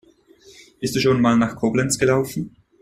Bist du schon mal nach Koblenz gelaufen?